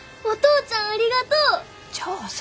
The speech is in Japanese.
お父ちゃんありがとう！